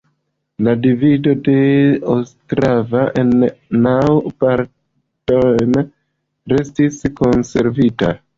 La divido de Ostrava en naŭ partojn restis konservita.